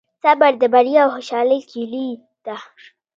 صبر د بریا او خوشحالۍ کیلي ده.